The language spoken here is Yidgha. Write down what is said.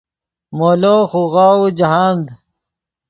مولو خوغاؤو جاہند